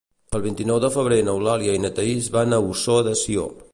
El vint-i-nou de febrer n'Eulàlia i na Thaís van a Ossó de Sió.